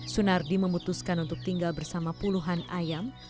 sunardi memutuskan untuk tinggal bersama puluhan ayam